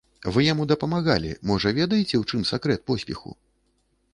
Вы яму дапамагалі, можа, ведаеце, у чым сакрэт поспеху?